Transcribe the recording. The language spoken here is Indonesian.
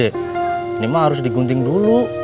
ini mah harus digunting dulu